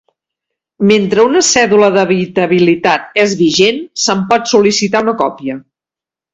Mentre una cèdula d'habitabilitat és vigent se'n pot sol·licitar una còpia.